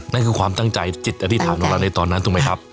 นั่นคือความตั้งใจจิตอธิษฐานของเราในตอนนั้นถูกไหมครับ